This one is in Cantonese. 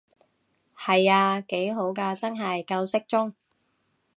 係啊，幾好㗎真係，夠適中